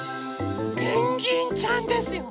ペンギンちゃんですよ！